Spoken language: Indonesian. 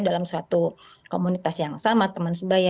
dalam suatu komunitas yang sama teman sebaya